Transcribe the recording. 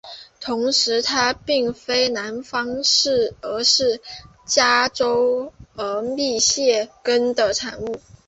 同时它并非南方而是加州和密歇根的产物。